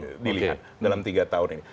yang dilihat dalam tiga tahun ini